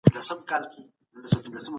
د زړګـــي زور، د ميني اوردی ياره